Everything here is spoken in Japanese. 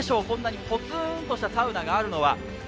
こんなにぽつんとしたサウナがあるのは。